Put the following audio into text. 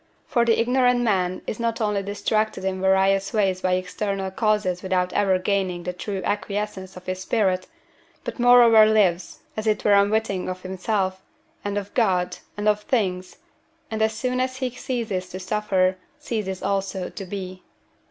For the ignorant man is not only distracted in various ways by external causes without ever gaining the true acquiescence of his spirit, but moreover lives, as it were unwitting of himself, and of God, and of things, and as soon as he ceases to suffer, ceases also to be.